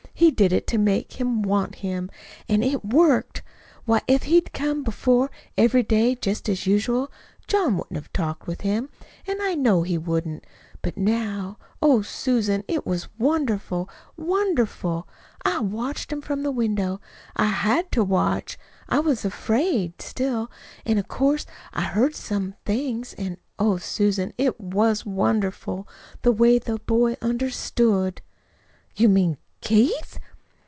He did it to make him want him. An' it worked. Why, if he'd come before, every day, just as usual, John wouldn't have talked with him. I know he wouldn't. But now oh, Susan, it was wonderful, wonderful! I watched 'em from the window. I HAD to watch. I was afraid still. An' of course I heard some things. An', oh, Susan, it was wonderful, the way that boy understood." "You mean Keith?"